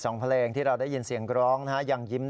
นายยกรัฐมนตรีพบกับทัพนักกีฬาที่กลับมาจากโอลิมปิก๒๐๑๖